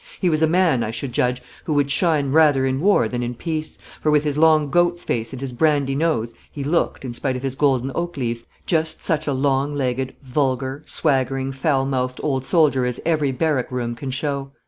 He was a man, I should judge, who would shine rather in war than in peace, for, with his long goat's face and his brandy nose, he looked, in spite of his golden oak leaves, just such a long legged, vulgar, swaggering, foul mouthed old soldier as every barrack room can show.